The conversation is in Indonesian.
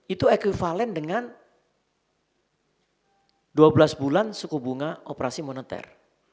enam tujuh puluh lima itu equivalent dengan dua belas bulan suku bunga operasi moneter